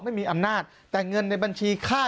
ไม่มีอำนาจแต่เงินในบัญชีค่า